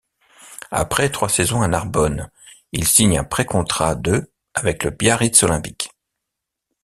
Après trois saisons à Narbonne, il signe un pré-contrat de avec le Biarritz olympique.